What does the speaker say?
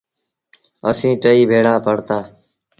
اسيٚݩ ٽئيٚ ڀيڙآ پڙهتآ۔